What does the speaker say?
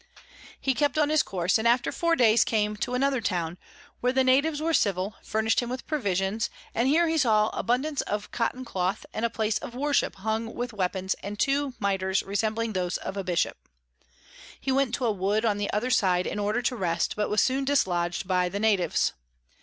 He kept on his Course, and after four days came to another Town, where the Natives were civil, furnish'd him with Provisions; and here he saw abundance of Cotton Cloth, and a Place of Worship hung with Weapons and two Mitres resembling those of a Bishop. He went to a Wood on the other side in order to rest, but was soon dislodg'd by the Natives.